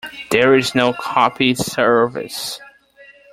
There is no copy service.